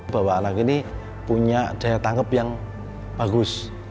bahwa anak ini punya daya tangkap yang bagus